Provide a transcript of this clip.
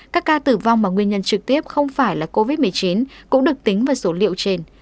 các ca tử vong mà nguyên nhân trực tiếp không phải là covid một mươi chín cũng được tính vào số liệu trên